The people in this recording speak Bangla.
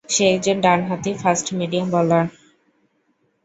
সে একজন ডান হাতি ফাস্ট মিডিয়াম বোলার।